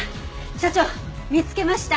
所長見つけました！